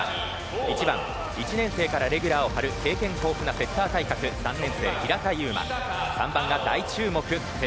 １番１年生からレギュラーを張る経験豊富なセッター３年生、平田悠真３番は大注目世代